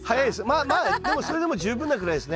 まあまあでもそれでも十分なぐらいですね。